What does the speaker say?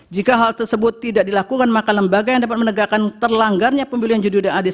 jika hal tersebut tidak dilakukan maka lembaga yang dapat menegakkan terlanggarnya pemilihan judul dan adik